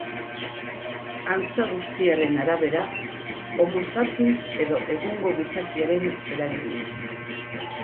Antza guztiaren arabera homo sapiens edo egungo gizakiaren eraginez.